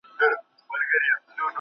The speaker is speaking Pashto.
چي ازل یې قلم زما سره وهلی ..